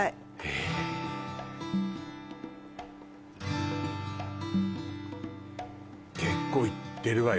えっ結構いってるわよ